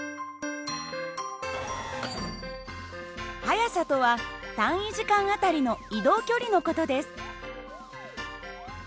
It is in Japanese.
速さとは単位時間あたりの移動距離の事です。